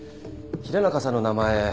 平中さんの名前